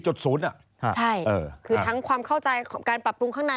ใช่คือทั้งความเข้าใจของการปรับปรุงข้างใน